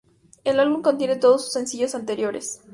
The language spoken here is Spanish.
El álbum contiene todos sus sencillos anteriores.